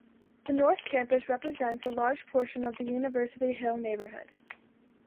The North Campus represents a large portion of the University Hill neighborhood.